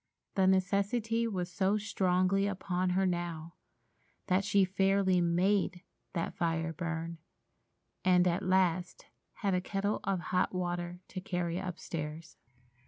The necessity was so strongly upon her now that she fairly made that fire burn, and at last had a kettle of hot water to carry upstairs.